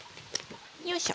よいしょ。